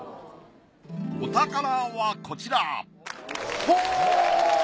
お宝はこちらほう。